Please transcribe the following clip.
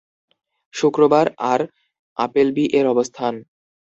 শুক্রবার আর আপেলবি এর অবস্থান.